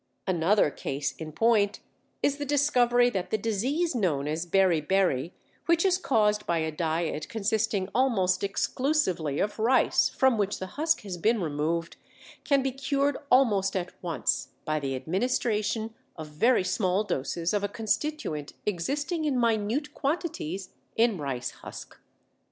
Another case in point is the discovery that the disease known as beri beri, which is caused by a diet consisting almost exclusively of rice from which the husk has been removed, can be cured almost at once by the administration of very small doses of a constituent existing in minute quantities in rice husk.